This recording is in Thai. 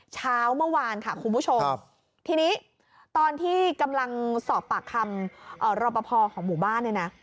เช้าเมื่อวานค่ะคุณผู้ชมทีนี้ตอนที่กำลังสอบปากคำรอปภของหมู่บ้านเนี่ยนะ